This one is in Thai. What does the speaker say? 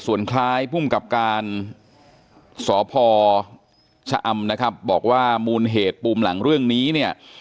ส่วนคล้ายภูมิกับการสภชะอำบอกว่ามูลเหตุปลูมหลังเรื่องนี้